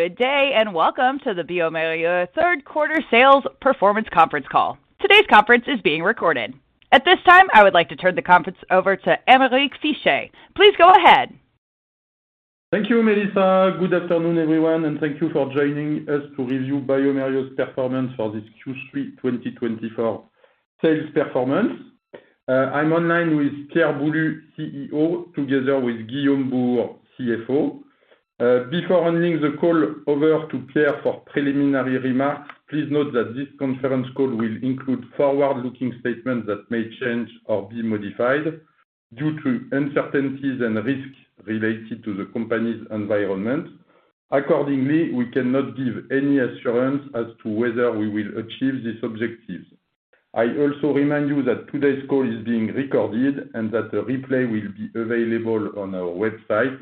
Good day, and welcome to the bioMérieux Third Quarter Sales Performance Conference call. Today's conference is being recorded. At this time, I would like to turn the conference over to Aymeric Fichet. Please go ahead. Thank you, Mélissa. Good afternoon, everyone, and thank you for joining us to review bioMérieux's performance for this Q3 2024 sales performance. I'm online with Pierre Boulud, CEO, together with Guillaume Bouhours, CFO. Before handing the call over to Pierre for preliminary remarks, please note that this conference call will include forward-looking statements that may change or be modified due to uncertainties and risks related to the company's environment. Accordingly, we cannot give any assurance as to whether we will achieve these objectives. I also remind you that today's call is being recorded and that a replay will be available on our website,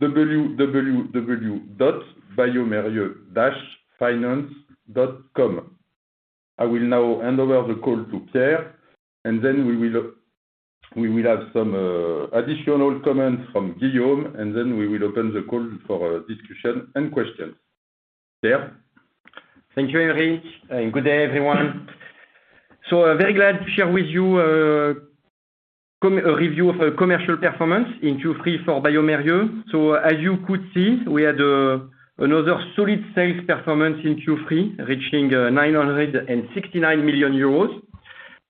www.bioMérieux-finance.com. I will now hand over the call to Pierre, and then we will have some additional comments from Guillaume, and then we will open the call for discussion and questions. Pierre? Thank you, Aymeric. And good day, everyone. So very glad to share with you a review of commercial performance in Q3 for bioMérieux. So as you could see, we had another solid sales performance in Q3, reaching 969 million euros,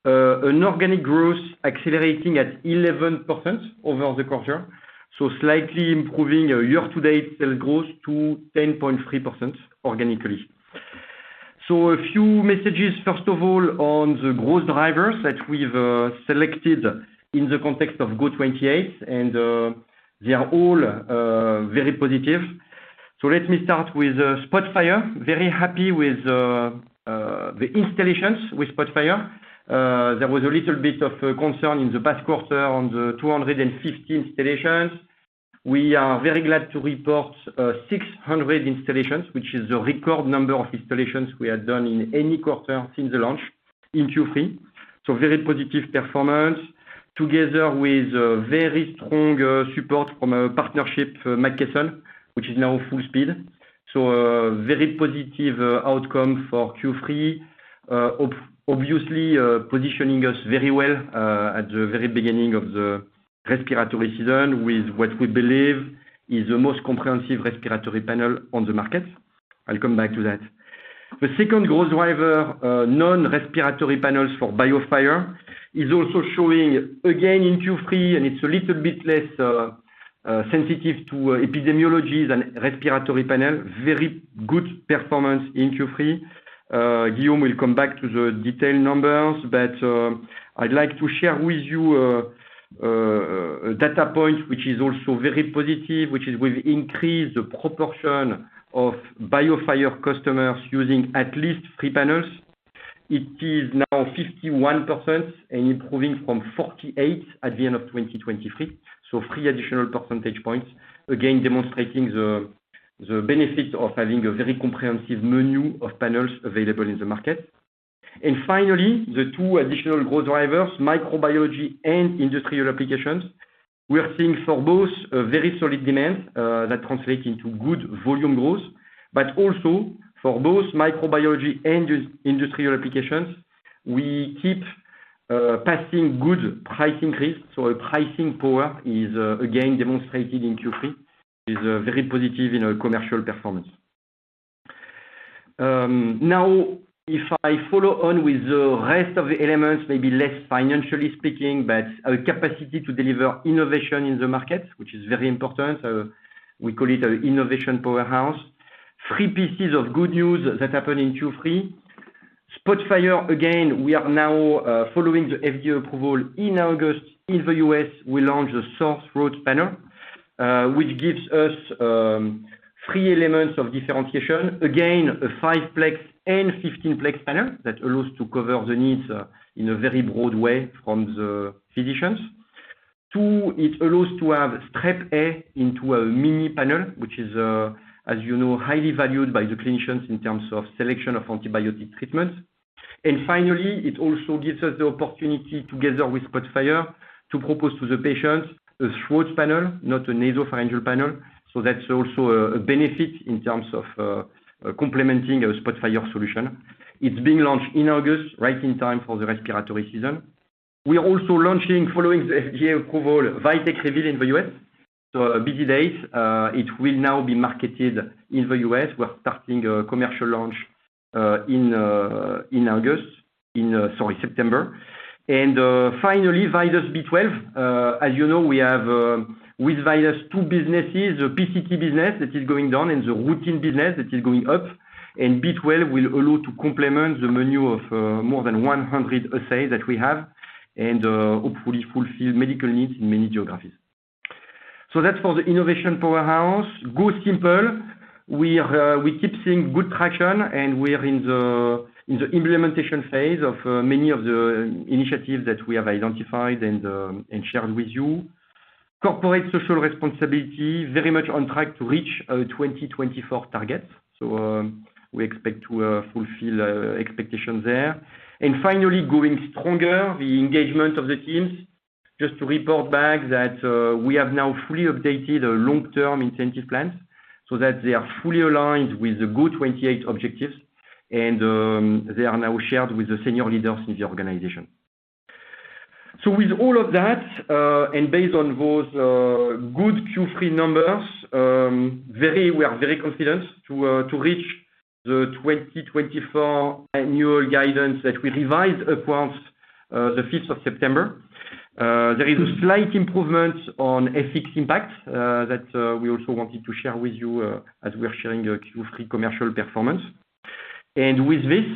an organic growth accelerating at 11% over the quarter, so slightly improving year-to-date sales growth to 10.3% organically. So a few messages, first of all, on the growth drivers that we've selected in the context of GO28, and they are all very positive. So let me start with SPOTFIRE. Very happy with the installations with SPOTFIRE. There was a little bit of concern in the past quarter on the 250 installations. We are very glad to report 600 installations, which is the record number of installations we had done in any quarter since the launch in Q3. Very positive performance, together with very strong support from a partnership, McKesson, which is now full speed. Very positive outcome for Q3. Obviously, positioning us very well at the very beginning of the respiratory season with what we believe is the most comprehensive respiratory panel on the market. I'll come back to that. The second growth driver, non-respiratory panels for BioFire, is also showing again in Q3, and it's a little bit less sensitive to epidemiologies and respiratory panel. Very good performance in Q3. Guillaume will come back to the detailed numbers, but I'd like to share with you a data point which is also very positive, which is we've increased the proportion of BioFire customers using at least three panels. It is now 51% and improving from 48% at the end of 2023. So three additional percentage points, again demonstrating the benefit of having a very comprehensive menu of panels available in the market. And finally, the two additional growth drivers, microbiology and industrial applications. We are seeing for both a very solid demand that translates into good volume growth, but also for both microbiology and industrial applications, we keep passing good price increase. So pricing power is again demonstrated in Q3, which is very positive in commercial performance. Now, if I follow on with the rest of the elements, maybe less financially speaking, but our capacity to deliver innovation in the market, which is very important. We call it an innovation powerhouse. Three pieces of good news that happened in Q3. SPOTFIRE, again, we are now following the FDA approval in August in the U.S. We launched the Sore Throat Panel, which gives us three elements of differentiation. Again, a 5-plex and 15-plex panel that allows us to cover the needs in a very broad way from the physicians. Two, it allows us to have Strep A into a mini panel, which is, as you know, highly valued by the clinicians in terms of selection of antibiotic treatments. And finally, it also gives us the opportunity, together with SPOTFIRE, to propose to the patients a throat panel, not a nasopharyngeal panel. So that's also a benefit in terms of complementing a SPOTFIRE solution. It's being launched in August, right in time for the respiratory season. We are also launching, following the FDA approval, VITEK REVEAL in the US. So busy days. It will now be marketed in the US. We're starting a commercial launch in August, in, sorry, September. And finally, VIDAS B12. As you know, we have, with VIDAS, two businesses: the PCT business that is going down and the routine business that is going up. B12 will allow us to complement the menu of more than 100 assays that we have and hopefully fulfill medical needs in many geographies. That's for the innovation powerhouse. GO Simple. We keep seeing good traction, and we are in the implementation phase of many of the initiatives that we have identified and shared with you. Corporate social responsibility, very much on track to reach our 2024 targets. We expect to fulfill expectations there. Finally, going stronger, the engagement of the teams. Just to report back that we have now fully updated a long-term incentive plan so that they are fully aligned with the GO28 objectives, and they are now shared with the senior leaders in the organization. So with all of that, and based on those good Q3 numbers, we are very confident to reach the 2024 annual guidance that we revised as of the 5th of September. There is a slight improvement on FX impact that we also wanted to share with you as we are sharing a Q3 commercial performance. And with this,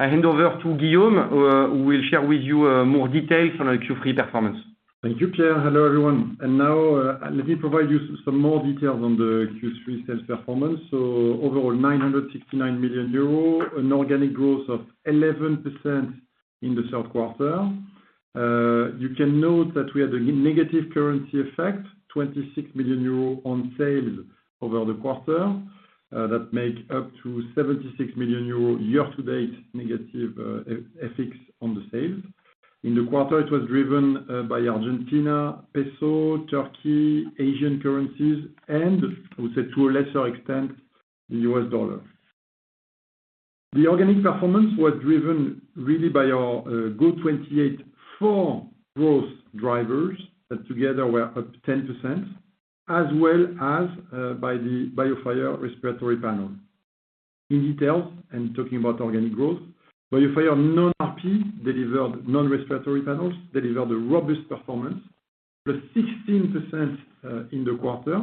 I hand over to Guillaume, who will share with you more details on our Q3 performance. Thank you, Pierre. Hello, everyone. And now, let me provide you some more details on the Q3 sales performance. So overall, 969 million euro, an organic growth of 11% in the third quarter. You can note that we had a negative currency effect, 26 million euros on sales over the quarter that makes up to 76 million euros year-to-date negative effects on the sales. In the quarter, it was driven by Argentina, peso, Turkey, Asian currencies, and, I would say, to a lesser extent, the US dollar. The organic performance was driven really by our GO28 four growth drivers that together were up 10%, as well as by the BioFire respiratory panel. In detail, and talking about organic growth, BioFire non-RP delivered non-respiratory panels that delivered a robust performance, plus 16% in the quarter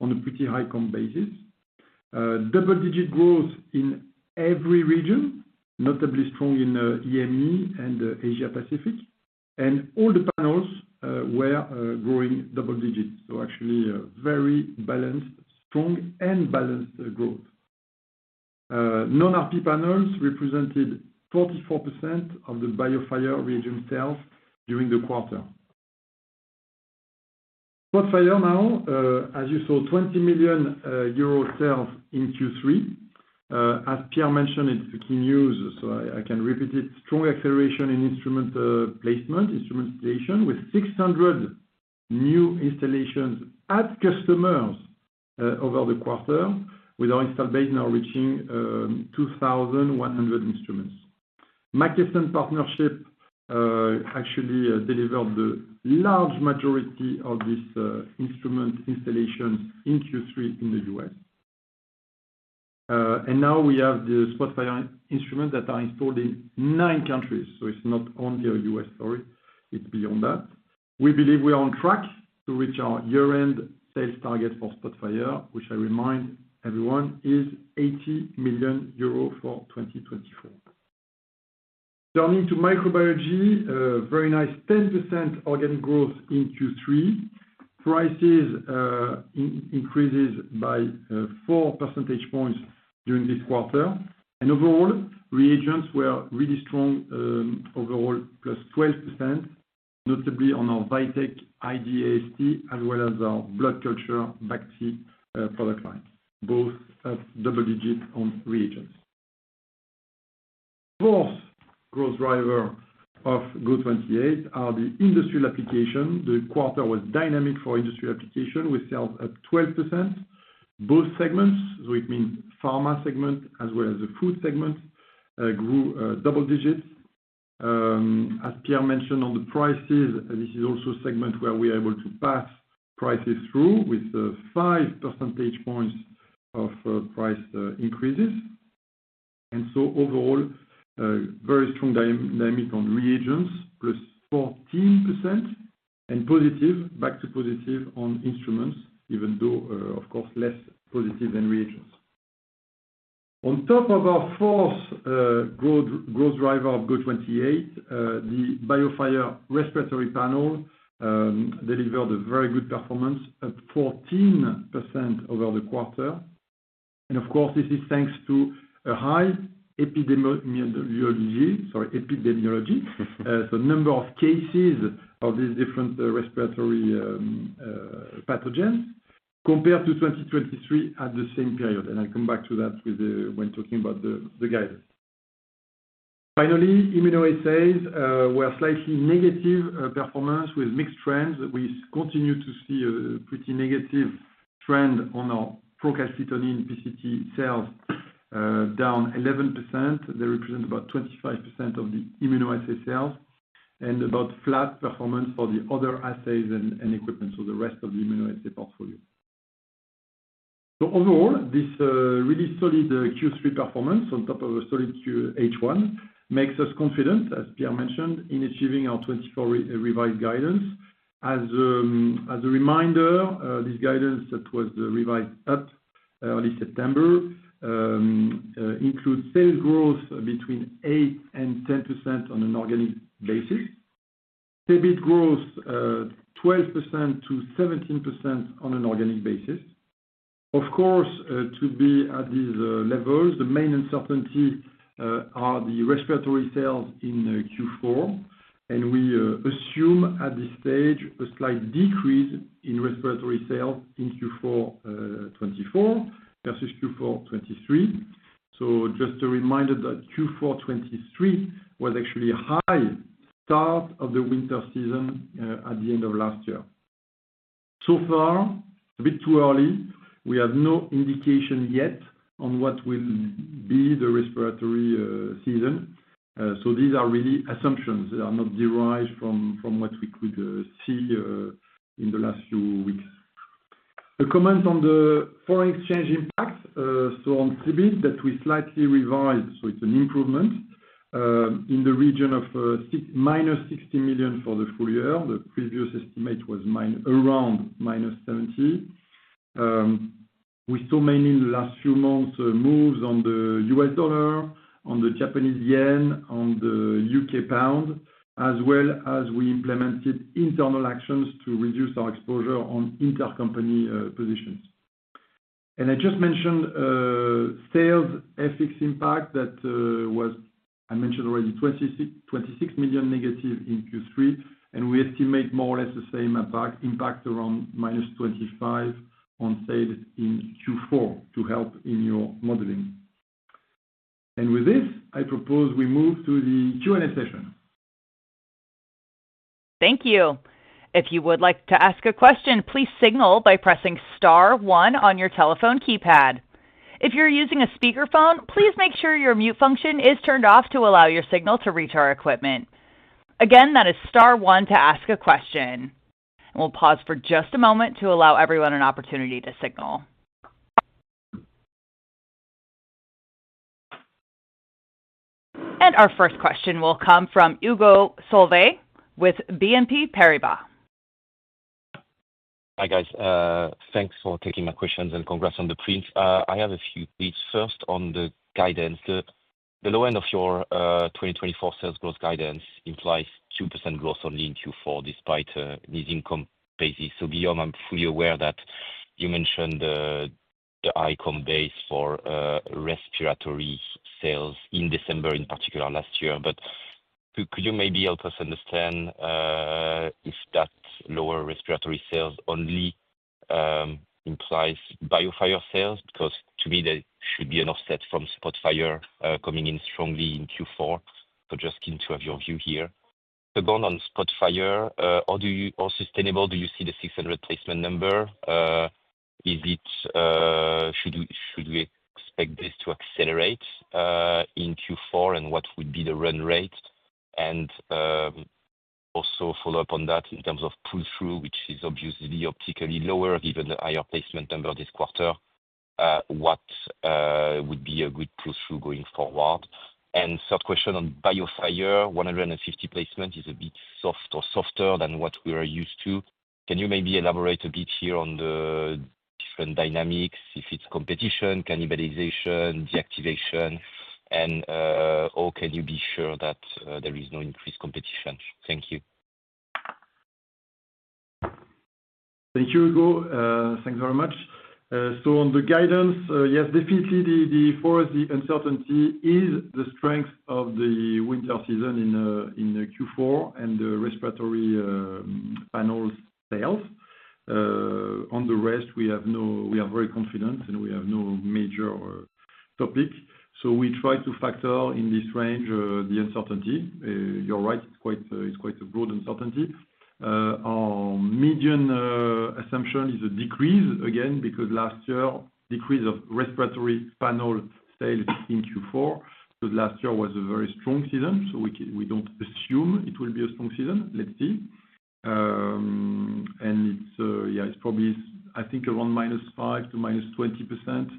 on a pretty high comp basis. Double-digit growth in every region, notably strong in EMEA and Asia-Pacific. All the panels were growing double-digits. So actually, very balanced, strong, and balanced growth. Non-RP panels represented 44% of the BioFire revenue sales during the quarter. SPOTFIRE now, as you saw, 20 million euro sales in Q3. As Pierre mentioned, it's the key news, so I can repeat it: strong acceleration in instrument placement, instrument installation, with 600 new installations at customers over the quarter, with our install base now reaching 2,100 instruments. McKesson partnership actually delivered the large majority of these instrument installations in Q3 in the U.S. And now we have the SPOTFIRE instruments that are installed in nine countries. So it's not only a U.S. story. It's beyond that. We believe we are on track to reach our year-end sales target for SPOTFIRE, which I remind everyone is 80 million euro for 2024. Turning to microbiology, very nice 10% organic growth in Q3. Prices increased by 4 percentage points during this quarter. Overall, reagents were really strong overall, plus 12%, notably on our VITEK ID/AST, as well as our blood culture BacT/ALERT product line, both at double digits on reagents. Fourth growth driver of GO28 are the industrial applications. The quarter was dynamic for industrial applications, with sales at 12%. Both segments, so it means pharma segment as well as the food segment, grew double digits. As Pierre mentioned on the prices, this is also a segment where we are able to pass prices through with 5 percentage points of price increases. So overall, very strong dynamic on reagents, plus 14%, and positive, back to positive on instruments, even though, of course, less positive than reagents. On top of our fourth growth driver of GO28, the BioFire respiratory panel delivered a very good performance, up 14% over the quarter. Of course, this is thanks to a high epidemiology, sorry, epidemiology, so number of cases of these different respiratory pathogens compared to 2023 at the same period. I'll come back to that when talking about the guidance. Finally, immunoassays were slightly negative performance with mixed trends. We continue to see a pretty negative trend on our procalcitonin PCT sales, down 11%. They represent about 25% of the immunoassay sales and about flat performance for the other assays and equipment, so the rest of the immunoassay portfolio. So overall, this really solid Q3 performance on top of a solid H1 makes us confident, as Pierre mentioned, in achieving our 2024 revised guidance. As a reminder, this guidance that was revised up early September includes sales growth between 8% and 10% on an organic basis, EBIT growth 12%-17% on an organic basis. Of course, to be at these levels, the main uncertainty are the respiratory sales in Q4. And we assume at this stage a slight decrease in respiratory sales in Q424 versus Q423. So just a reminder that Q423 was actually a high start of the winter season at the end of last year. So far, a bit too early. We have no indication yet on what will be the respiratory season. So these are really assumptions. They are not derived from what we could see in the last few weeks. A comment on the foreign exchange impact, so on CEBIT that we slightly revised, so it's an improvement in the region of -€60 million for the full year. The previous estimate was around -€70 million. We saw mainly in the last few months moves on the US dollar, on the Japanese yen, on the UK pound, as well as we implemented internal actions to reduce our exposure on intercompany positions. And I just mentioned FX impact that was, I mentioned already, €26 million negative in Q3, and we estimate more or less the same impact around minus €25 million on sales in Q4 to help in your modeling. And with this, I propose we move to the Q&A session. Thank you. If you would like to ask a question, please signal by pressing star one on your telephone keypad. If you're using a speakerphone, please make sure your mute function is turned off to allow your signal to reach our equipment. Again, that is star one to ask a question. We'll pause for just a moment to allow everyone an opportunity to signal. Our first question will come from Hugo Solvet with BNP Paribas. Hi, guys. Thanks for taking my questions and congrats on the prints. I have a few things. First, on the guidance, the low end of your 2024 sales growth guidance implies 2% growth only in Q4 despite an easing comp basis. So Guillaume, I'm fully aware that you mentioned the high comp base for respiratory sales in December, in particular last year. But could you maybe help us understand if that lower respiratory sales only implies BioFire sales? Because to me, there should be an offset from SPOTFIRE coming in strongly in Q4. So just keen to have your view here. Second, on SPOTFIRE, how sustainable do you see the 600 placement number? Should we expect this to accelerate in Q4, and what would be the run rate? Also follow up on that in terms of pull-through, which is obviously optically lower, given the higher placement number this quarter. What would be a good pull-through going forward? And third question on BioFire, 150 placements is a bit soft or softer than what we are used to. Can you maybe elaborate a bit here on the different dynamics, if it's competition, cannibalization, deactivation, and/or can you be sure that there is no increased competition? Thank you. Thank you, Hugo. Thanks very much. So on the guidance, yes, definitely, for us, the uncertainty is the strength of the winter season in Q4 and the respiratory panels' sales. On the rest, we are very confident, and we have no major topic. So we try to factor in this range the uncertainty. You're right. It's quite a broad uncertainty. Our median assumption is a decrease, again, because last year, decrease of respiratory panel sales in Q4. Last year was a very strong season, so we don't assume it will be a strong season. Let's see. And yeah, it's probably, I think, around -5% to -20%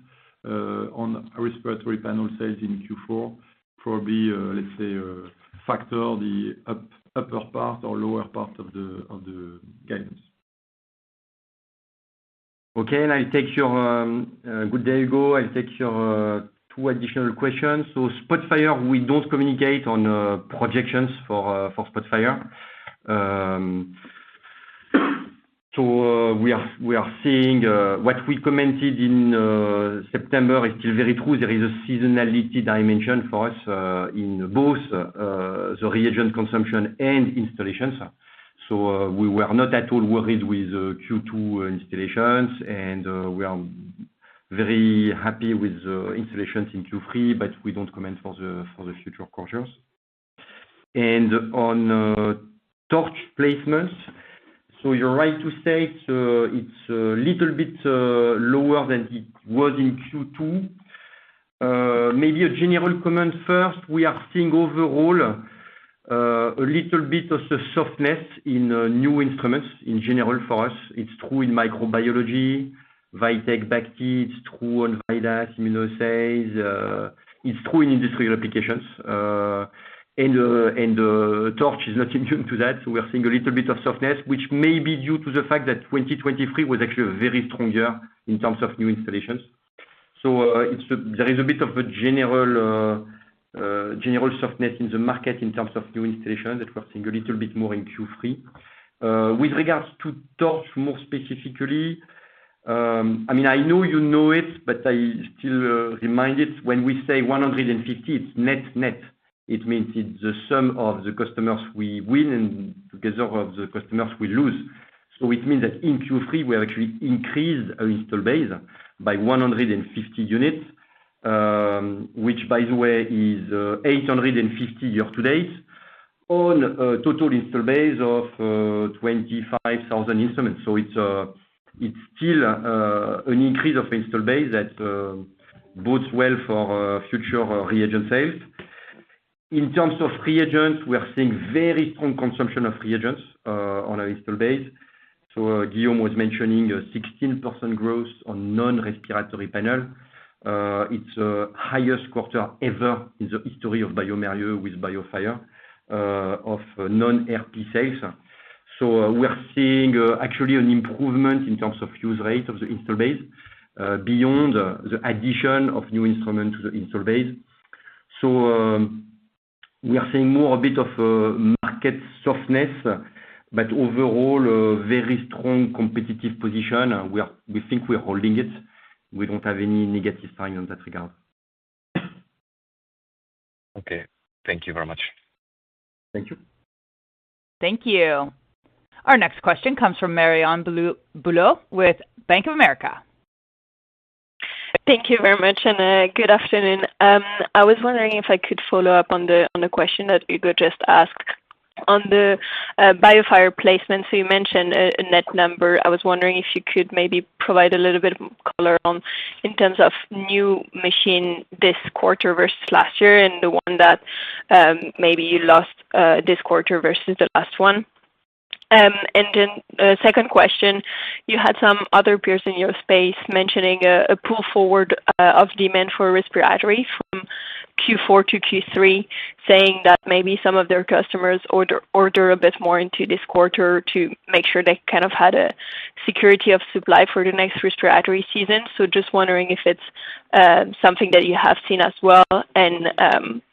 on respiratory panel sales in Q4. Probably, let's say, factor the upper part or lower part of the guidance. Okay. And I'll take your good day, Hugo. I'll take your two additional questions. So SPOTFIRE, we don't communicate on projections for SPOTFIRE. So we are seeing what we commented in September is still very true. There is a seasonality dimension for us in both the reagent consumption and installations. So we were not at all worried with Q2 installations, and we are very happy with the installations in Q3, but we don't comment for the future quarters. And on Torch placements, so you're right to say it's a little bit lower than it was in Q2. Maybe a general comment first. We are seeing overall a little bit of softness in new instruments in general for us. It's true in microbiology, VITEK, BacT. It's true on VIDAS, immunoassays. It's true in industrial applications. And Torch is not immune to that. So we're seeing a little bit of softness, which may be due to the fact that 2023 was actually very stronger in terms of new installations. So there is a bit of a general softness in the market in terms of new installations that we're seeing a little bit more in Q3. With regards to Torch, more specifically, I mean, I know you know it, but I still remind it. When we say 150, it's net net. It means it's the sum of the customers we win and together of the customers we lose. So it means that in Q3, we have actually increased our install base by 150 units, which, by the way, is 850 year-to-date on a total install base of 25,000 instruments. So it's still an increase of install base that bodes well for future reagent sales. In terms of reagents, we are seeing very strong consumption of reagents on our install base. So Guillaume was mentioning a 16% growth on non-respiratory panel. It's the highest quarter ever in the history of bioMérieux with BioFire of non-RP sales. So we're seeing actually an improvement in terms of use rate of the install base beyond the addition of new instruments to the install base. So we are seeing more a bit of market softness, but overall, a very strong competitive position. We think we're holding it. We don't have any negative signs in that regard. Okay. Thank you very much. Thank you. Thank you. Our next question comes from Marianne Bulot with Bank of America. Thank you very much, and good afternoon. I was wondering if I could follow up on the question that Hugo just asked. On the BioFire placements, you mentioned a net number. I was wondering if you could maybe provide a little bit of color on in terms of new machine this quarter versus last year and the one that maybe you lost this quarter versus the last one. And then second question, you had some other peers in your space mentioning a pull-forward of demand for respiratory from Q4 to Q3, saying that maybe some of their customers order a bit more into this quarter to make sure they kind of had a security of supply for the next respiratory season. So just wondering if it's something that you have seen as well and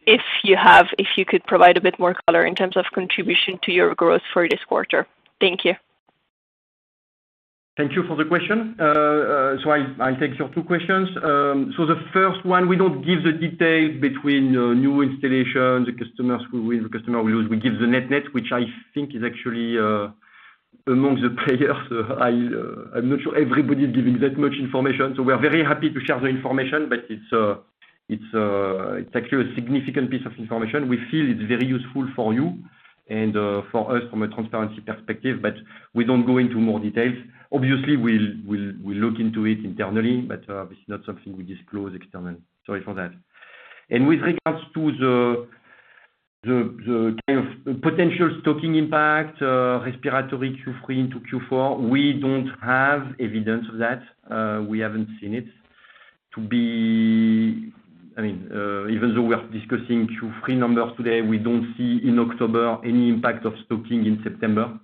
if you could provide a bit more color in terms of contribution to your growth for this quarter? Thank you. Thank you for the question. So I'll take your two questions. So the first one, we don't give the details between new installations, the customers who win, the customer who lose. We give the net net, which I think is actually amongst the players. I'm not sure everybody is giving that much information. So we're very happy to share the information, but it's actually a significant piece of information. We feel it's very useful for you and for us from a transparency perspective, but we don't go into more details. Obviously, we'll look into it internally, but it's not something we disclose externally. Sorry for that. And with regards to the kind of potential stocking impact, respiratory Q3 into Q4, we don't have evidence of that. We haven't seen it. I mean, even though we are discussing Q3 numbers today, we don't see in October any impact of stocking in September,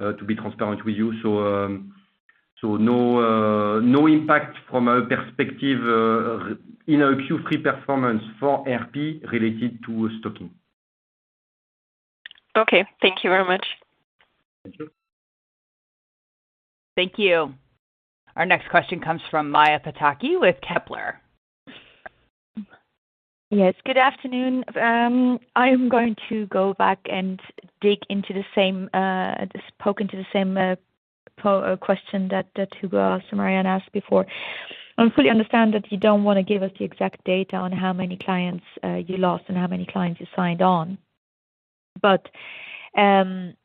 to be transparent with you. So no impact from our perspective in our Q3 performance for RP related to stocking. Okay. Thank you very much. Thank you. Our next question comes from Maja Pataki with Kepler Cheuvreux. Yes. Good afternoon. I am going to go back and dig into the same, poke into the same question that Hugo asked and Marianne asked before. I fully understand that you don't want to give us the exact data on how many clients you lost and how many clients you signed on. But can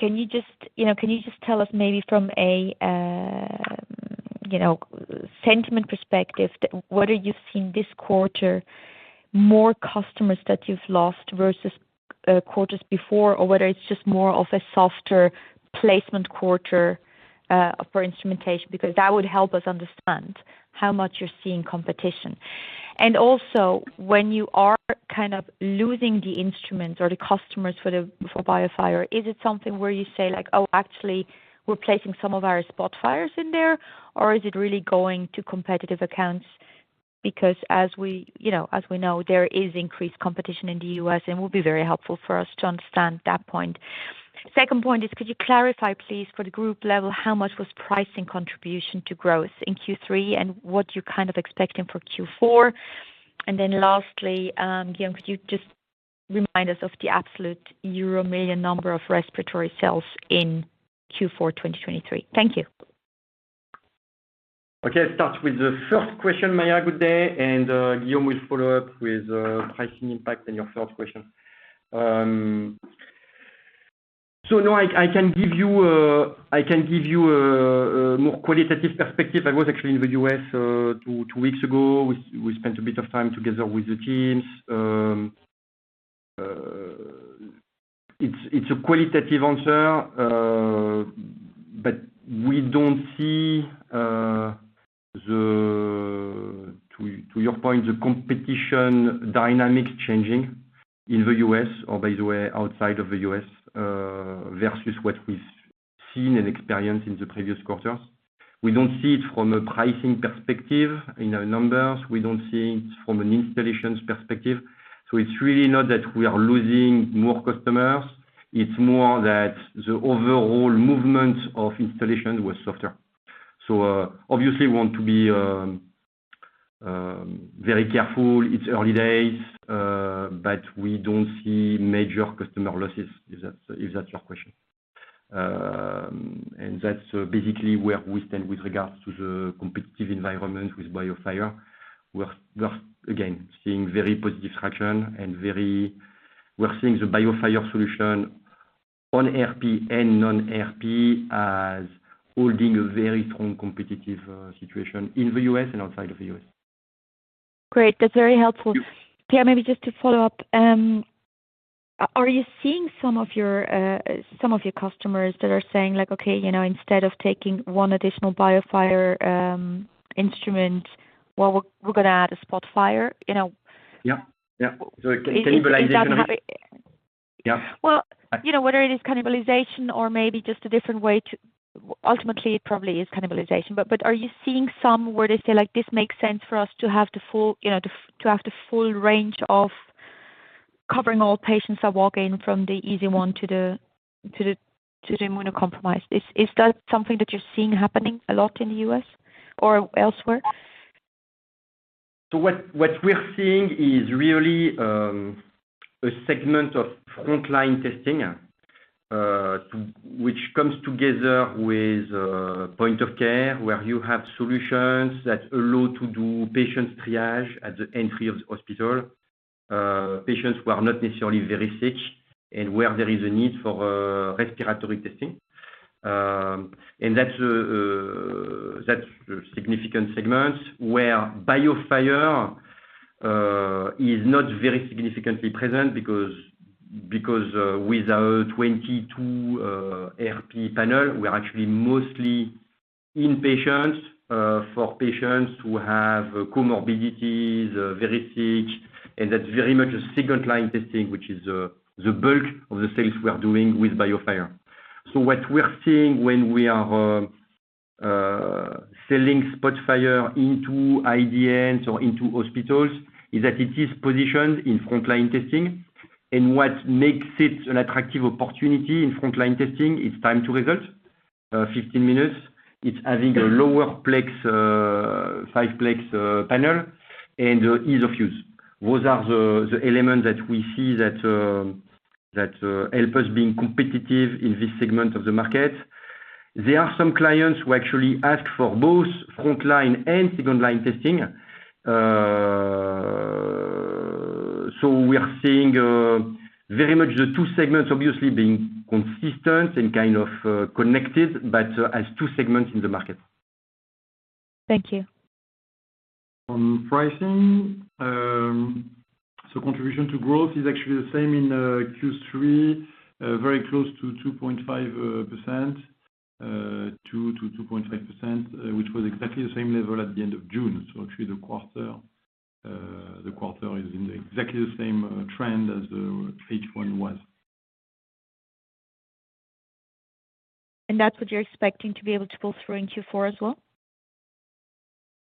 you just tell us maybe from a sentiment perspective, whether you've seen this quarter more customers that you've lost versus quarters before, or whether it's just more of a softer placement quarter for instrumentation? Because that would help us understand how much you're seeing competition. And also, when you are kind of losing the instruments or the customers for BioFire, is it something where you say, "Oh, actually, we're placing some of our SPOTFIREs in there," or is it really going to competitive accounts? Because as we know, there is increased competition in the US, and it will be very helpful for us to understand that point. Second point is, could you clarify, please, for the group level, how much was pricing contribution to growth in Q3 and what you're kind of expecting for Q4? And then lastly, Guillaume, could you just remind us of the absolute euro million number of respiratory sales in Q4 2023? Thank you. Okay. I'll start with the first question. Maya, good day, and Guillaume will follow up with pricing impact and your first question. So no, I can give you a more qualitative perspective. I was actually in the U.S. two weeks ago. We spent a bit of time together with the teams. It's a qualitative answer, but we don't see, to your point, the competition dynamics changing in the U.S. or, by the way, outside of the U.S. versus what we've seen and experienced in the previous quarters. We don't see it from a pricing perspective in our numbers. We don't see it from an installation perspective. So it's really not that we are losing more customers. It's more that the overall movement of installations was softer. So obviously, we want to be very careful. It's early days, but we don't see major customer losses, if that's your question. That's basically where we stand with regards to the competitive environment with BioFire. We're, again, seeing very positive traction, and we're seeing the BioFire solution on RP and non-RP as holding a very strong competitive situation in the U.S. and outside of the U.S. Great. That's very helpful. Pierre, maybe just to follow up, are you seeing some of your customers that are saying, "Okay, instead of taking one additional BioFire instrument, we're going to add a SPOTFIRE"? Yeah. Yeah. So cannibalization of. Whether it is cannibalization or maybe just a different way to ultimately, it probably is cannibalization. But are you seeing somewhere they say, "This makes sense for us to have the full range of covering all patients that walk in from the easy one to the immunocompromised"? Is that something that you're seeing happening a lot in the U.S. or elsewhere? What we're seeing is really a segment of frontline testing, which comes together with point of care where you have solutions that allow to do patient triage at the entry of the hospital, patients who are not necessarily very sick, and where there is a need for respiratory testing. That's a significant segment where BioFire is not very significantly present because with our RP2 panel, we are actually mostly inpatients for patients who have comorbidities, very sick, and that's very much a second-line testing, which is the bulk of the sales we are doing with BioFire. What we're seeing when we are selling SPOTFIRE into IDNs or into hospitals is that it is positioned in frontline testing. What makes it an attractive opportunity in frontline testing is time to result, 15 minutes. It's having a lower plex, five-plex panel, and ease of use. Those are the elements that we see that help us being competitive in this segment of the market. There are some clients who actually ask for both frontline and second-line testing. So we are seeing very much the two segments, obviously, being consistent and kind of connected, but as two segments in the market. Thank you. On pricing, so contribution to growth is actually the same in Q3, very close to 2.5%-2.5%, which was exactly the same level at the end of June. Actually, the quarter is in exactly the same trend as H1 was. That's what you're expecting to be able to pull through in Q4 as well?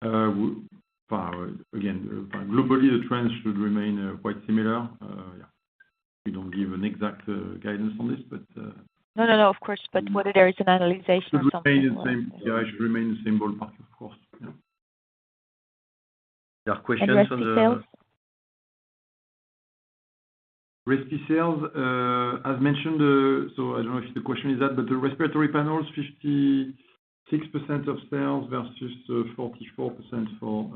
Again, globally, the trends should remain quite similar. Yeah. We don't give an exact guidance on this, but. No, no, no, of course. But whether there is an analysis or something. It should remain the same. Yeah, it should remain the same ballpark, of course. Yeah. There are questions on the. Respi sales? Respi sales, as mentioned, so I don't know if the question is that, but the respiratory panels, 56% of sales versus 44% for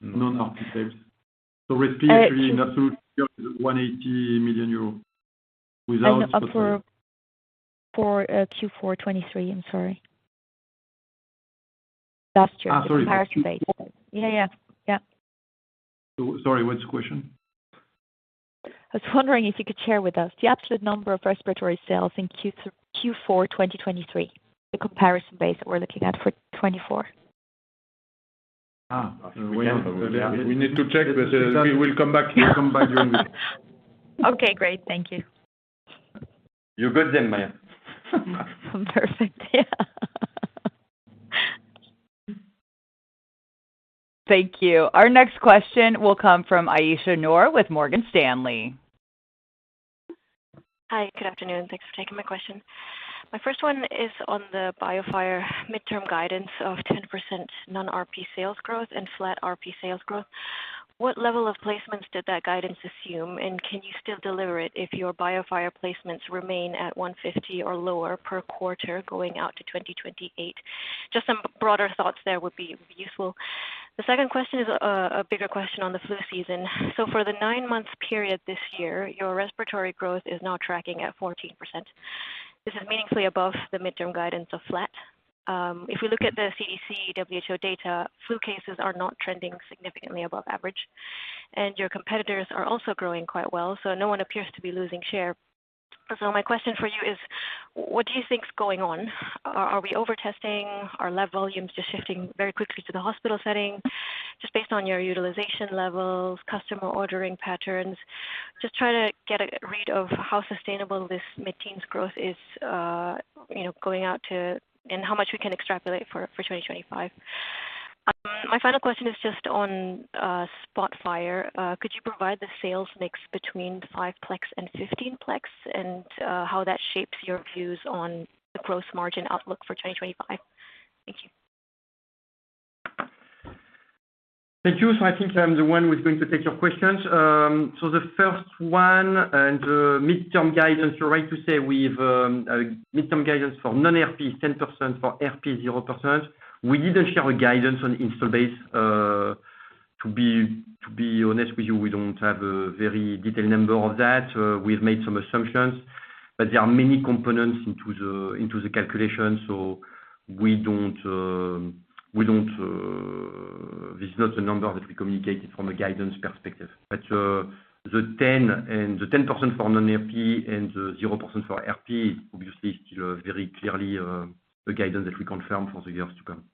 non-RP sales, so respi, actually, in absolute figure, is EUR 180 million without. For Q4 2023, I'm sorry. Last year. sorry. For the prior space. Yeah, yeah. Yeah. Sorry, what's the question? I was wondering if you could share with us the absolute number of respiratory sales in Q4 2023, the comparison base that we're looking at for 2024? We need to check, but we will come back during the. Okay. Great. Thank you. You're good then, Maja. Perfect. Yeah. Thank you. Our next question will come from Ayesha Noor with Morgan Stanley. Hi. Good afternoon. Thanks for taking my question. My first one is on the BioFire midterm guidance of 10% non-RP sales growth and flat RP sales growth. What level of placements did that guidance assume? And can you still deliver it if your BioFire placements remain at 150 or lower per quarter going out to 2028? Just some broader thoughts there would be useful. The second question is a bigger question on the flu season. So for the nine-month period this year, your respiratory growth is now tracking at 14%. This is meaningfully above the midterm guidance of flat. If we look at the CDC WHO data, flu cases are not trending significantly above average. And your competitors are also growing quite well, so no one appears to be losing share. So my question for you is, what do you think's going on? Are we over-testing? Are lab volumes just shifting very quickly to the hospital setting? Just based on your utilization levels, customer ordering patterns, just try to get a read of how sustainable this mid-teens growth is going out to and how much we can extrapolate for 2025. My final question is just on SPOTFIRE. Could you provide the sales mix between 5-plex and 15-plex and how that shapes your views on the gross margin outlook for 2025? Thank you. Thank you. So I think I'm the one who is going to take your questions. So the first one and the midterm guidance, you're right to say we have midterm guidance for non-RP, 10% for RP, 0%. We didn't share a guidance on install base. To be honest with you, we don't have a very detailed number of that. We've made some assumptions, but there are many components into the calculation. So we don't. This is not a number that we communicated from a guidance perspective. But the 10% for non-RP and the 0% for RP is obviously still very clearly a guidance that we confirm for the years to come.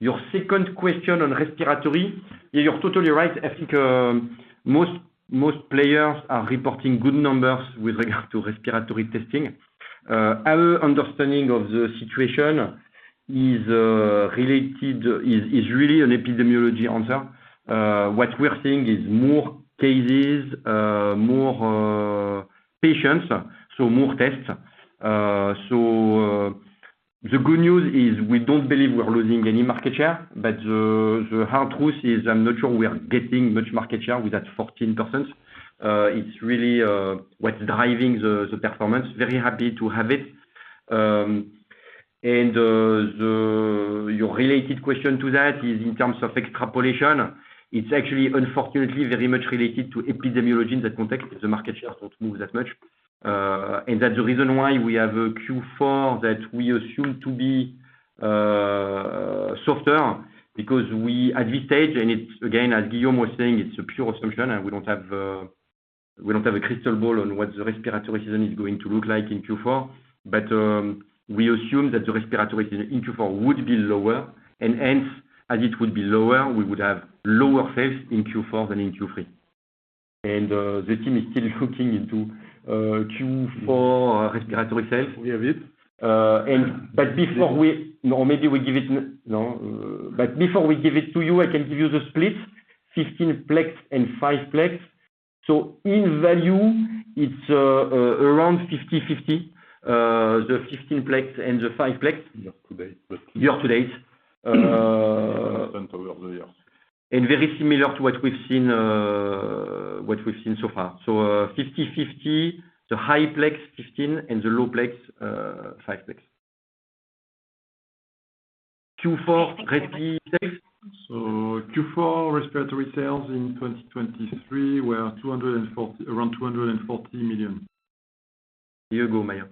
Your second question on respiratory, you're totally right. I think most players are reporting good numbers with regard to respiratory testing. Our understanding of the situation is related is really an epidemiology answer. What we're seeing is more cases, more patients, so more tests, so the good news is we don't believe we're losing any market share, but the hard truth is I'm not sure we are getting much market share with that 14%. It's really what's driving the performance. Very happy to have it, and your related question to that is in terms of extrapolation. It's actually, unfortunately, very much related to epidemiology in that context, the market share that moves that much, and that's the reason why we have a Q4 that we assume to be softer because we, at this stage, and it's, again, as Guillaume was saying, it's a pure assumption. We don't have a crystal ball on what the respiratory season is going to look like in Q4, but we assume that the respiratory season in Q4 would be lower. Hence, as it would be lower, we would have lower sales in Q4 than in Q3. The team is still looking into Q4 respiratory sales. We have it. But before we give it to you, I can give you the split: 15-plex and 5-plex. So in value, it's around 50/50, the 15-plex and the 5-plex. Year-to-date. Year-to-date. % over the years. Very similar to what we've seen so far. 50/50, the high-plex 15-plex and the low-plex 5-plex. Q4 respi sales. Q4 respiratory sales in 2023 were around 240 million. You go, Maja.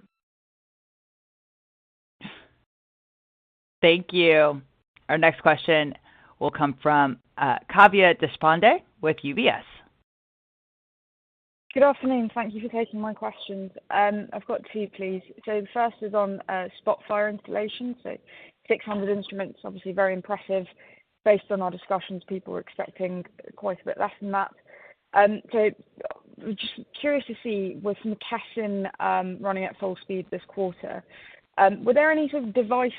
Thank you. Our next question will come from Kavya Deshpande with UBS. Good afternoon. Thank you for taking my questions. I've got two, please. So the first is on SPOTFIRE installation. So 600 instruments, obviously very impressive. Based on our discussions, people were expecting quite a bit less than that. So just curious to see with some testing running at full speed this quarter, were there any sort of device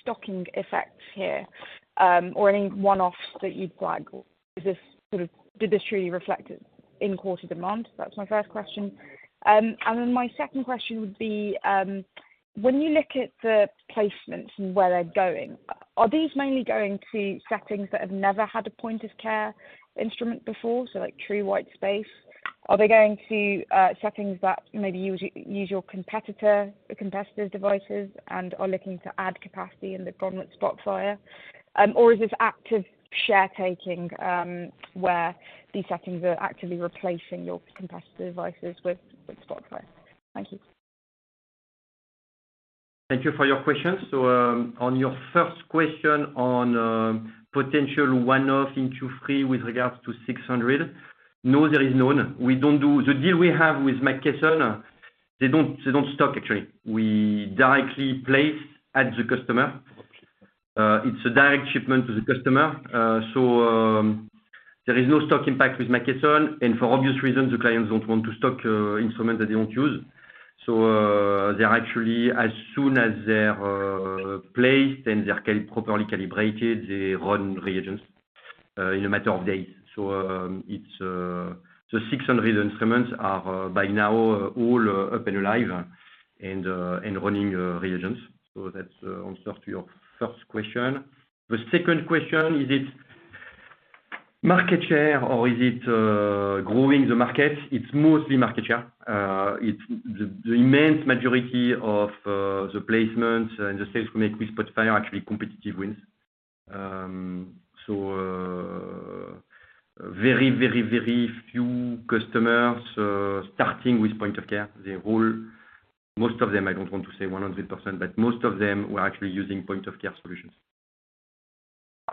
stocking effects here or any one-offs that you'd flag? Did this truly reflect in-quarter demand? That's my first question. And then my second question would be, when you look at the placements and where they're going, are these mainly going to settings that have never had a point-of-care instrument before, so like true white space? Are they going to settings that maybe use your competitors' devices and are looking to add capacity on the ground with SPOTFIRE? Or is this active share-taking where these settings are actively replacing your competitor devices with SPOTFIRE? Thank you. Thank you for your questions. So on your first question on potential one-off in Q3 with regards to 600, no, there is none. The deal we have with McKesson, they don't stock, actually. We directly place at the customer. It's a direct shipment to the customer. So there is no stock impact with McKesson. And for obvious reasons, the clients don't want to stock instruments that they don't use. So they're actually, as soon as they're placed and they're properly calibrated, they run reagents in a matter of days. So the 600 instruments are by now all up and alive and running reagents. So that answers to your first question. The second question, is it market share or is it growing the market? It's mostly market share. The immense majority of the placements and the sales we make with SPOTFIRE are actually competitive wins. So very, very, very few customers starting with point-of-care. Most of them, I don't want to say 100%, but most of them were actually using point-of-care solutions.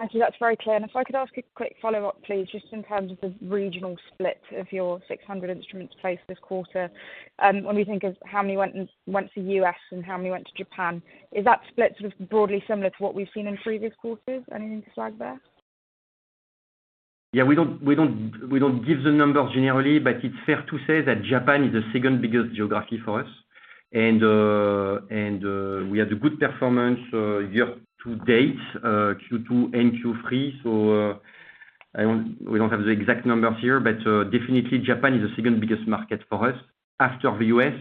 Actually, that's very clear. And if I could ask a quick follow-up, please, just in terms of the regional split of your 600 instruments placed this quarter, when we think of how many went to the U.S. and how many went to Japan, is that split sort of broadly similar to what we've seen in previous quarters? Anything to flag there? Yeah. We don't give the numbers generally, but it's fair to say that Japan is the second biggest geography for us. And we had a good performance year-to-date, Q2 and Q3. So we don't have the exact numbers here, but definitely, Japan is the second biggest market for us after the U.S.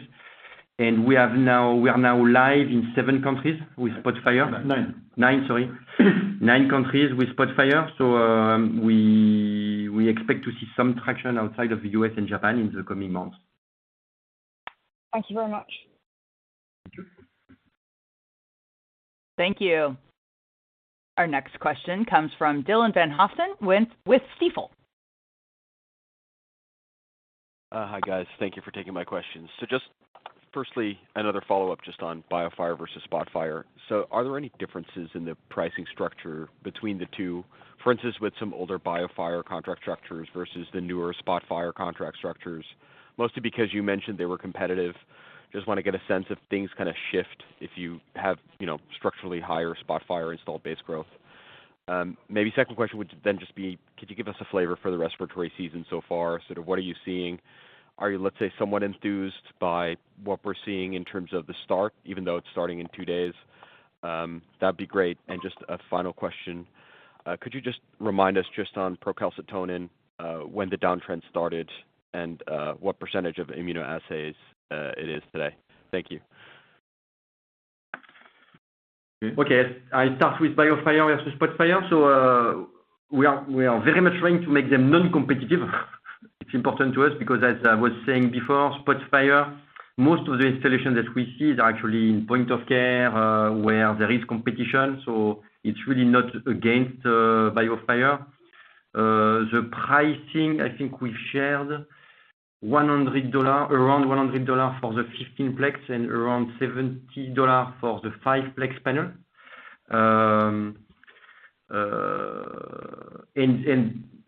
And we are now live in seven countries with SPOTFIRE. Nine. Nine, sorry. Nine countries with SPOTFIRE. So we expect to see some traction outside of the US and Japan in the coming months. Thank you very much. Thank you. Our next question comes from Dylan Van Haaften with Stifel. Hi, guys. Thank you for taking my questions. Just firstly, another follow-up just on BioFire versus SPOTFIRE. Are there any differences in the pricing structure between the two, for instance, with some older BioFire contract structures versus the newer SPOTFIRE contract structures, mostly because you mentioned they were competitive? Just want to get a sense if things kind of shift if you have structurally higher SPOTFIRE installed base growth. Maybe second question would then just be, could you give us a flavor for the respiratory season so far? Sort of what are you seeing? Are you, let's say, somewhat enthused by what we're seeing in terms of the start, even though it's starting in two days? That'd be great. Just a final question. Could you just remind us just on procalcitonin when the downtrend started and what percentage of immunoassays it is today? Thank you. Okay. I start with BioFire versus SPOTFIRE. So we are very much trying to make them non-competitive. It's important to us because, as I was saying before, SPOTFIRE, most of the installations that we see are actually in point-of-care where there is competition. So it's really not against BioFire. The pricing, I think we shared around $100 for the 15-plex and around $70 for the 5-plex panel.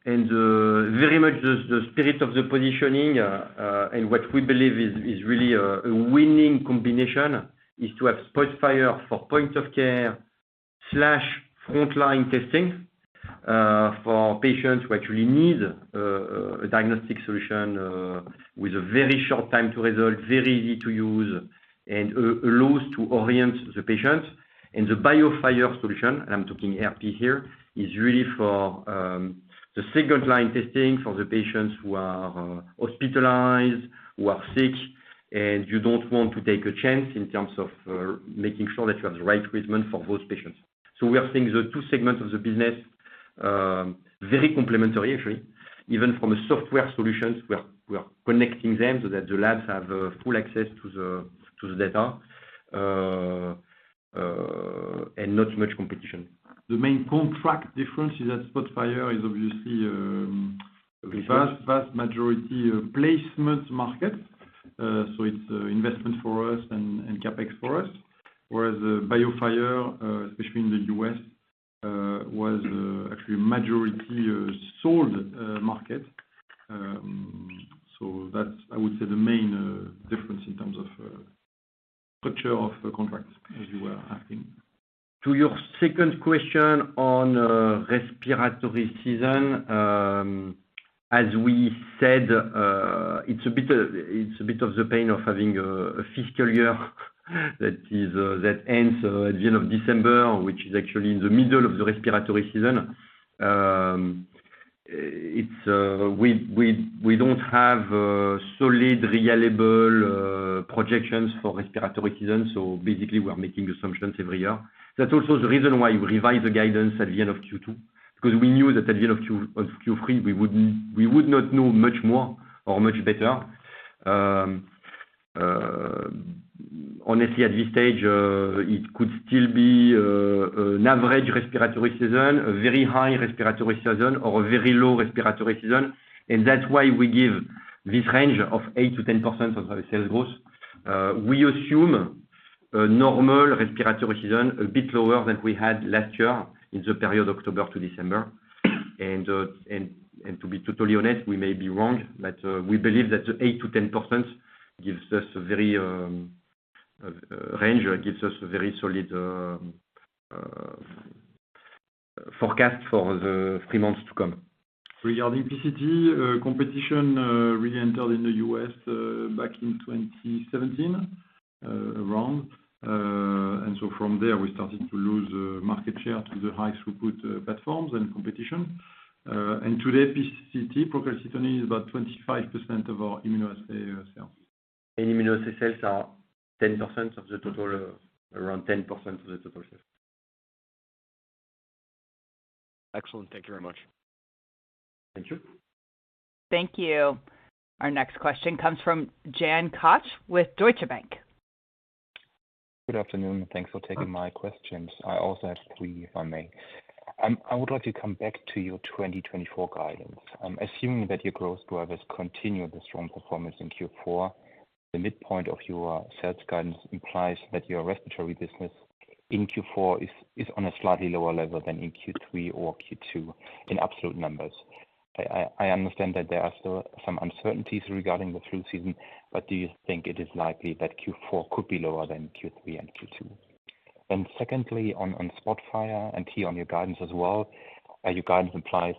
And very much the spirit of the positioning and what we believe is really a winning combination is to have SPOTFIRE for point-of-care/frontline testing for patients who actually need a diagnostic solution with a very short time to result, very easy to use, and also to orient the patient. And the BioFire solution, and I'm talking RP here, is really for the second-line testing for the patients who are hospitalized, who are sick, and you don't want to take a chance in terms of making sure that you have the right treatment for those patients. So we are seeing the two segments of the business very complementary, actually, even from the software solutions. We are connecting them so that the labs have full access to the data and not much competition. The main contract difference is that SPOTFIRE is obviously the vast majority placement market. So it's investment for us and CapEx for us. Whereas BioFire, especially in the U.S., was actually a majority sold market. So that's, I would say, the main difference in terms of structure of the contract, as you were asking. To your second question on respiratory season, as we said, it's a bit of the pain of having a fiscal year that ends at the end of December, which is actually in the middle of the respiratory season. We don't have solid reliable projections for respiratory season. So basically, we are making assumptions every year. That's also the reason why we revise the guidance at the end of Q2, because we knew that at the end of Q3, we would not know much more or much better. Honestly, at this stage, it could still be an average respiratory season, a very high respiratory season, or a very low respiratory season. And that's why we give this range of 8%-10% of the sales growth. We assume a normal respiratory season a bit lower than we had last year in the period October to December. To be totally honest, we may be wrong, but we believe that the 8%-10% gives us a very range that gives us a very solid forecast for the three months to come. Regarding PCT, competition really entered in the U.S. back in 2017 around. And so from there, we started to lose market share to the high-throughput platforms and competition. And today, PCT, Procalcitonin is about 25% of our immunoassay sales. Immunoassay sales are 10% of the total, around 10% of the total sales. Excellent. Thank you very much. Thank you. Thank you. Our next question comes from Jan Koch with Deutsche Bank. Good afternoon. Thanks for taking my questions. I also have three, if I may. I would like to come back to your 2024 guidance. I'm assuming that your growth drivers continue the strong performance in Q4. The midpoint of your sales guidance implies that your respiratory business in Q4 is on a slightly lower level than in Q3 or Q2 in absolute numbers. I understand that there are still some uncertainties regarding the flu season, but do you think it is likely that Q4 could be lower than Q3 and Q2? And secondly, on SPOTFIRE and here on your guidance as well, your guidance implies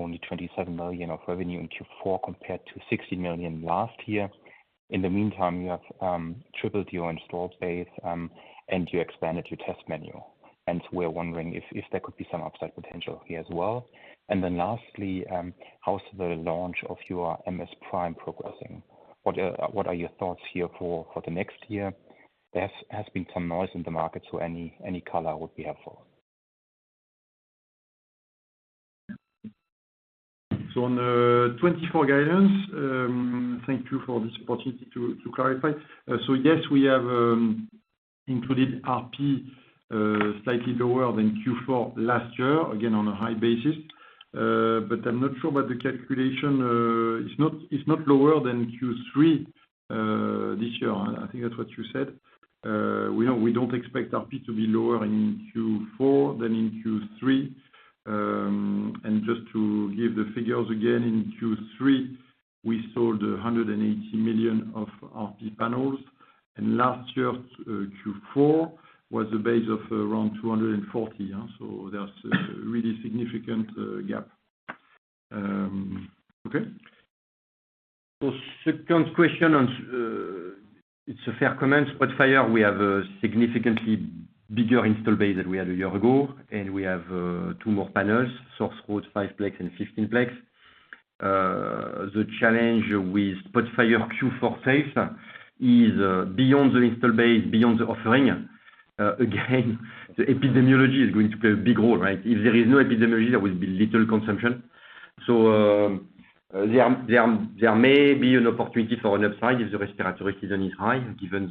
only 27 million of revenue in Q4 compared to 60 million last year. In the meantime, you have tripled your installed base and you expanded your test menu. And we're wondering if there could be some upside potential here as well. Then lastly, how's the launch of your MS PRIME progressing? What are your thoughts here for the next year? There has been some noise in the market, so any color would be helpful. So on the 2024 guidance, thank you for this opportunity to clarify. So yes, we have included RP slightly lower than Q4 last year, again on a high basis. But I'm not sure about the calculation. It's not lower than Q3 this year. I think that's what you said. We don't expect RP to be lower in Q4 than in Q3. And just to give the figures again, in Q3, we sold 180 million of RP panels. And last year, Q4 was a base of around 240 million. So there's a really significant gap. Okay. Second question, it's a fair comment. SPOTFIRE, we have a significantly bigger installed base than we had a year ago, and we have two more panels, Sore Throat, 5-plex, and 15-plex. The challenge with SPOTFIRE Q4 sales is beyond the installed base, beyond the offering. Again, the epidemiology is going to play a big role, right? If there is no epidemiology, there will be little consumption. There may be an opportunity for an upside if the respiratory season is high, given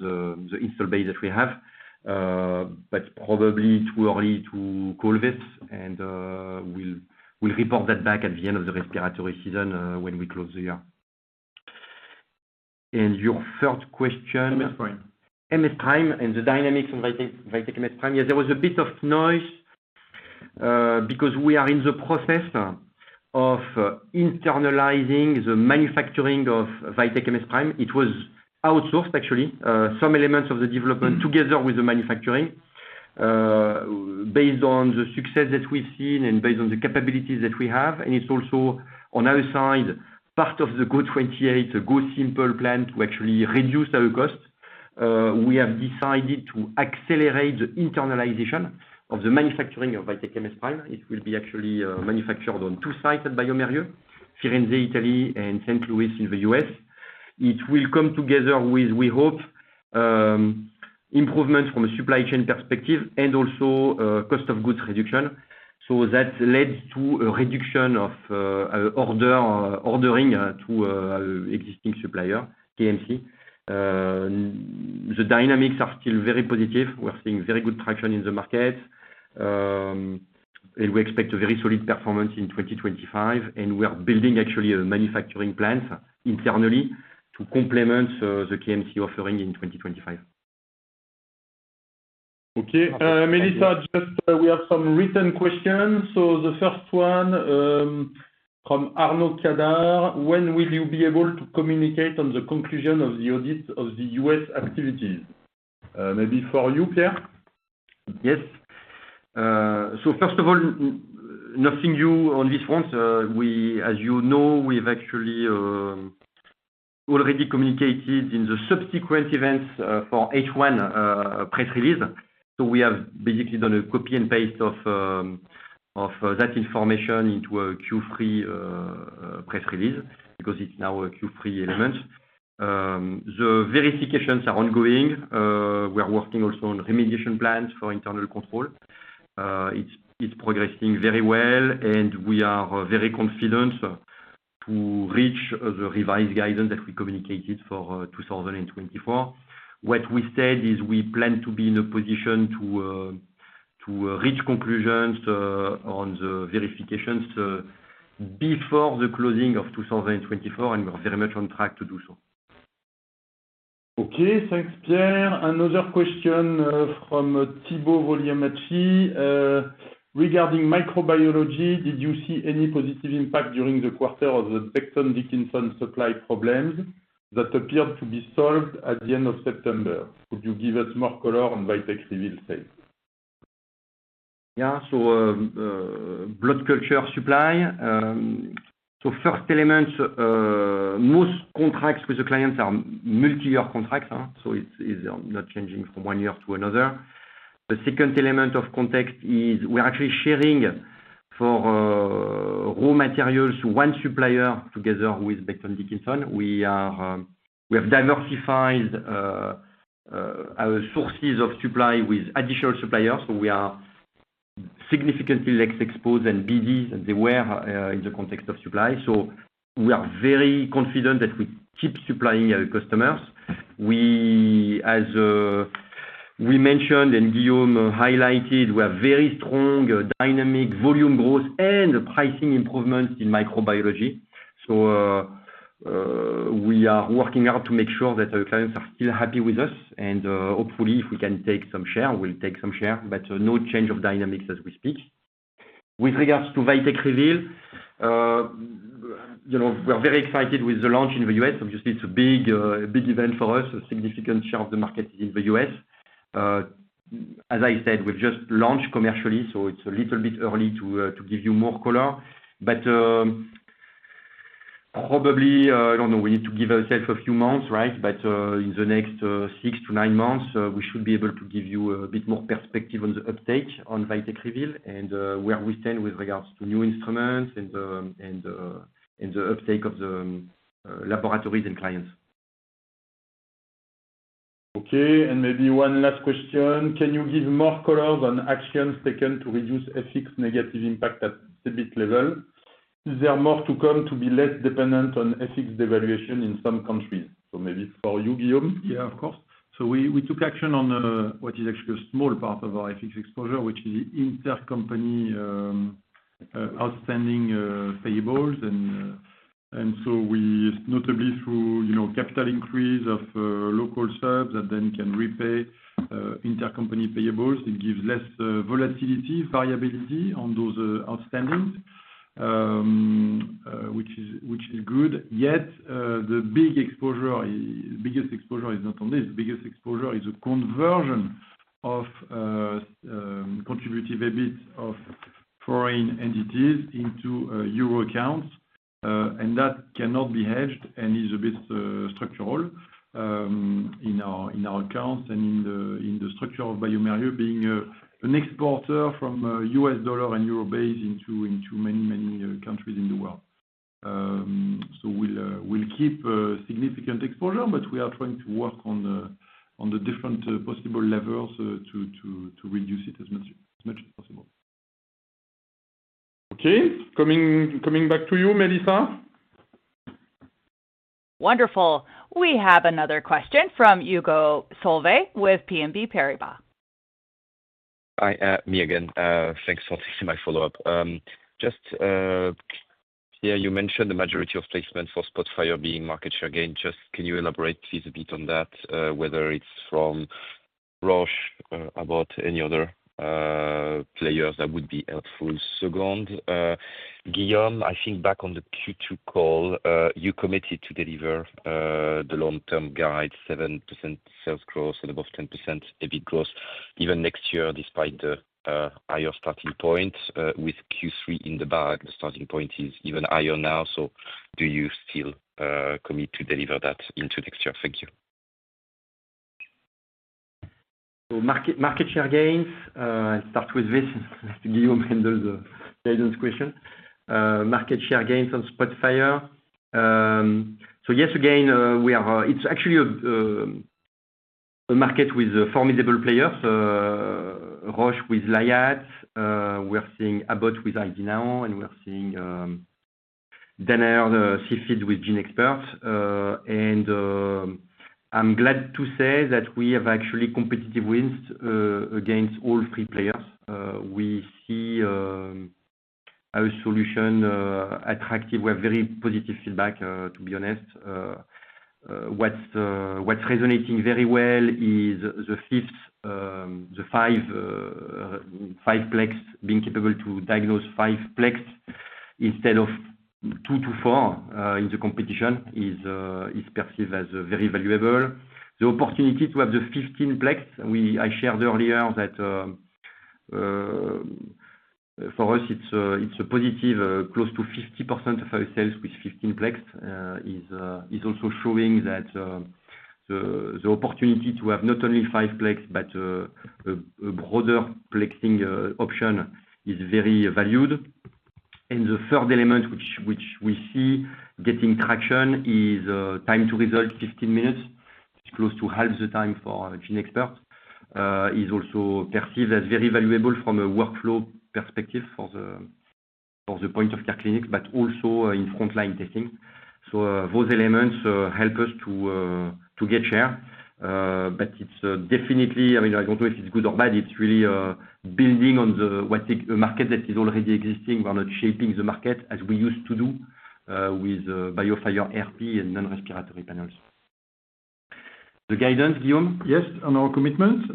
the installed base that we have, but probably too early to call this. We'll report that back at the end of the respiratory season when we close the year. Your third question. MS PRIME. MS PRIME and the dynamics of VITEK MS PRIME. Yes, there was a bit of noise because we are in the process of internalizing the manufacturing of VITEK MS PRIME. It was outsourced, actually, some elements of the development together with the manufacturing based on the success that we've seen and based on the capabilities that we have. And it's also on our side, part of the GO28, GoSimple plan to actually reduce our cost. We have decided to accelerate the internalization of the manufacturing of VITEK MS PRIME. It will be actually manufactured on two sites at bioMérieux, Florence, Italy, and St. Louis in the US. It will come together with, we hope, improvements from a supply chain perspective and also cost of goods reduction. So that led to a reduction of ordering to our existing supplier, KMC. The dynamics are still very positive. We're seeing very good traction in the market, and we expect a very solid performance in 2025, and we are building actually a manufacturing plant internally to complement the KMC offering in 2025. Okay. Melissa, just we have some written questions. So the first one from Arnaud Cadart. When will you be able to communicate on the conclusion of the audit of the U.S. activities? Maybe for you, Pierre? Yes. So first of all, nothing new on this front. As you know, we have actually already communicated in the subsequent events for H1 press release. So we have basically done a copy and paste of that information into a Q3 press release because it's now a Q3 element. The verifications are ongoing. We are working also on remediation plans for internal control. It's progressing very well, and we are very confident to reach the revised guidance that we communicated for 2024. What we said is we plan to be in a position to reach conclusions on the verifications before the closing of 2024, and we are very much on track to do so. Okay. Thanks, Pierre. Another question from Thibault Bouly, Midcap regarding microbiology. Did you see any positive impact during the quarter of the Becton Dickinson supply problems that appeared to be solved at the end of September? Could you give us more color on VITEK REVEAL sales? Yeah. So blood culture supply. So first element, most contracts with the clients are multi-year contracts, so it's not changing from one year to another. The second element of context is we're actually sharing raw materials to one supplier together with Becton Dickinson. We have diversified our sources of supply with additional suppliers. So we are significantly less exposed than BD's than they were in the context of supply. So we are very confident that we keep supplying our customers. As we mentioned and Guillaume highlighted, we have very strong dynamic volume growth and pricing improvements in microbiology. So we are working hard to make sure that our clients are still happy with us, and hopefully, if we can take some share, we'll take some share, but no change of dynamics as we speak. With regards to VITEK REVEAL, we're very excited with the launch in the US. Obviously, it's a big event for us. A significant share of the market is in the U.S. As I said, we've just launched commercially, so it's a little bit early to give you more color. But probably, I don't know, we need to give ourselves a few months, right? But in the next six to nine months, we should be able to give you a bit more perspective on the uptake on VITEK REVEAL and where we stand with regards to new instruments and the uptake of the laboratories and clients. Okay. And maybe one last question. Can you give more color on actions taken to reduce FX negative impact at CEBIT level? Is there more to come to be less dependent on FX devaluation in some countries? So maybe for you, Guillaume. Yeah, of course. So we took action on what is actually a small part of our FX exposure, which is intercompany outstanding payables. And so we notably through capital increase of local subs that then can repay intercompany payables. It gives less volatility, variability on those outstandings, which is good. Yet the big exposure, the biggest exposure is not on this. The biggest exposure is a conversion of contributed EBITs of foreign entities into euro accounts. And that cannot be hedged and is a bit structural in our accounts and in the structure of bioMérieux being an exporter from US dollar and euro base into many, many countries in the world. So we'll keep significant exposure, but we are trying to work on the different possible levels to reduce it as much as possible. Okay. Coming back to you, Melissa. Wonderful. We have another question from Hugo Solvet with BNP Paribas. Hi, me again. Thanks for taking my follow-up. Just here, you mentioned the majority of placements for SPOTFIRE being market share gain. Just can you elaborate a bit on that, whether it's from Roche about any other players that would be helpful? Second, Guillaume, I think back on the Q2 call, you committed to deliver the long-term guide, 7% sales growth and above 10% EBIT growth even next year despite the higher starting point. With Q3 in the bag, the starting point is even higher now. So do you still commit to deliver that into next year? Thank you. Market share gains, I'll start with this to give you a guidance question. Market share gains on SPOTFIRE. Yes, again, it's actually a market with formidable players. Roche with cobas Liat. We're seeing Abbott with ID NOW, and we're seeing Danaher, Cepheid with GeneXpert. And I'm glad to say that we have actually competitive wins against all three players. We see our solution attractive. We have very positive feedback, to be honest. What's resonating very well is the 5-plex being capable to diagnose 5-plex instead of two to four in the competition is perceived as very valuable. The opportunity to have the 15-plex, I shared earlier that for us, it's a positive. Close to 50% of our sales with 15-plex is also showing that the opportunity to have not only 5-plex, but a broader plexing option is very valued. The third element which we see getting traction is time to result, 15 minutes. It's close to half the time for GeneXpert. It's also perceived as very valuable from a workflow perspective for the point-of-care clinics, but also in frontline testing. So those elements help us to get share. But it's definitely, I don't know if it's good or bad, it's really building on a market that is already existing. We are not shaping the market as we used to do with BioFire RP and non-respiratory panels. The guidance, Guillaume? Yes, on our commitments.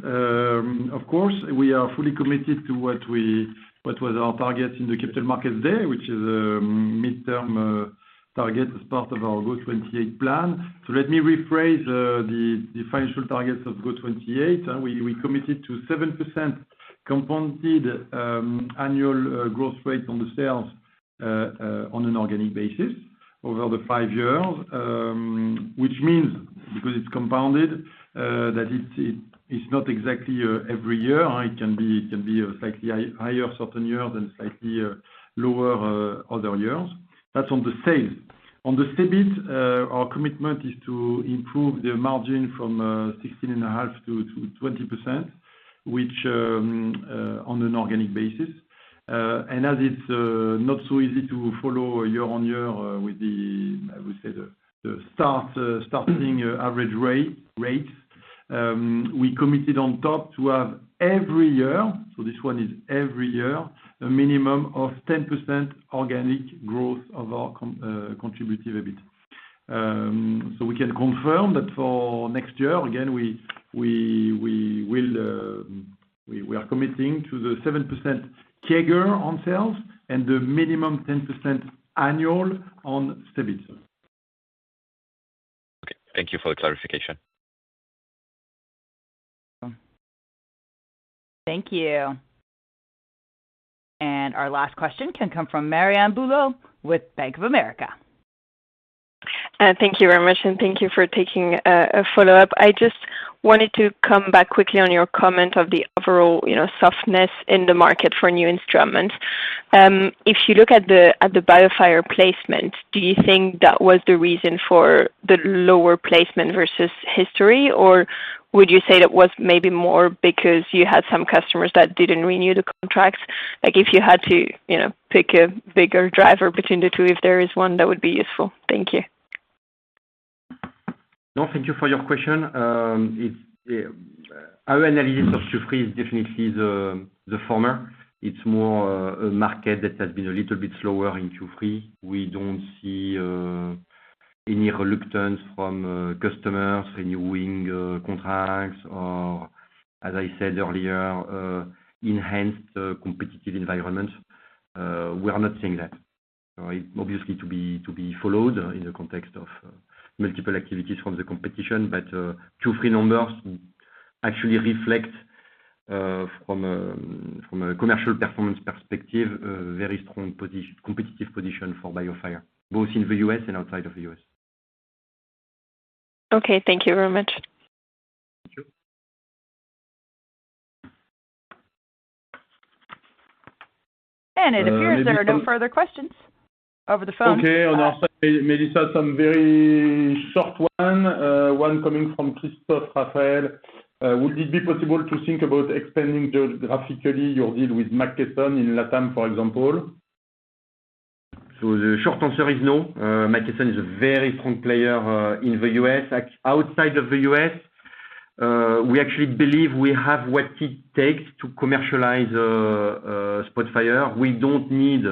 Of course, we are fully committed to what was our target in the Capital Markets Day, which is a midterm target as part of our GO28 plan, so let me rephrase the financial targets of GO28. We committed to 7% compounded annual growth rate on the sales on an organic basis over the five years, which means, because it's compounded, that it's not exactly every year. It can be slightly higher certain years and slightly lower other years. That's on the sales. On the CEBIT, our commitment is to improve the margin from 16.5%-20%, which on an organic basis, and as it's not so easy to follow year on year with the, I would say, the starting average rates, we committed on top to have every year, so this one is every year, a minimum of 10% organic growth of our contributed EBIT. So we can confirm that for next year, again, we are committing to the 7% CAGR on sales and the minimum 10% annual on CEBIT. Okay. Thank you for the clarification. Thank you. And our last question can come from Marianne Bulot with Bank of America. Thank you very much, and thank you for taking a follow-up. I just wanted to come back quickly on your comment of the overall softness in the market for new instruments. If you look at the BioFire placement, do you think that was the reason for the lower placement versus history, or would you say that was maybe more because you had some customers that didn't renew the contracts? If you had to pick a bigger driver between the two, if there is one, that would be useful. Thank you. No, thank you for your question. Our analysis of Q3 is definitely the former. It's more a market that has been a little bit slower in Q3. We don't see any reluctance from customers renewing contracts or, as I said earlier, enhanced competitive environments. We are not seeing that. Obviously, to be followed in the context of multiple activities from the competition, but Q3 numbers actually reflect, from a commercial performance perspective, very strong competitive position for BioFire, both in the U.S. and outside of the U.S. Okay. Thank you very much. Thank you. It appears there are no further questions over the phone. Okay. On our side, Melissa, some very short one coming from Christophe Raphael. Would it be possible to think about expanding geographically your deal with McKesson in LATAM, for example? So the short answer is no. McKesson is a very strong player in the U.S. Outside of the U.S., we actually believe we have what it takes to commercialize SPOTFIRE. We don't need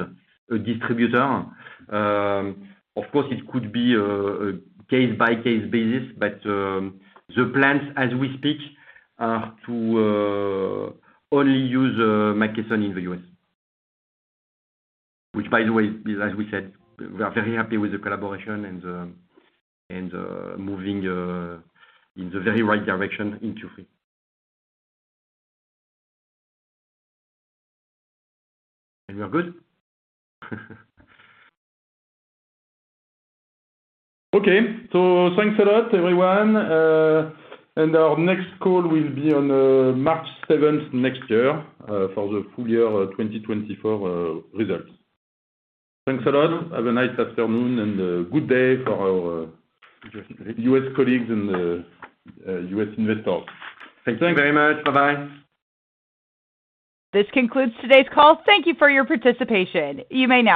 a distributor. Of course, it could be a case-by-case basis, but the plans, as we speak, are to only use McKesson in the U.S., which, by the way, as we said, we are very happy with the collaboration and moving in the very right direction in Q3. And we are good. Okay. So thanks a lot, everyone, and our next call will be on March 7th next year for the full year 2024 results. Thanks a lot. Have a nice afternoon and a good day for our U.S. colleagues and U.S. investors. Thank you very much. Bye-bye. This concludes today's call. Thank you for your participation. You may now.